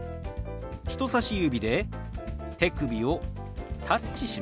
人さし指で手首をタッチします。